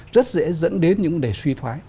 rất dễ dẫn đến những vấn đề suy thoái